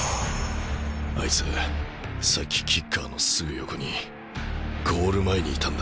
あいつさっきキッカーのすぐ横にゴール前にいたんだ。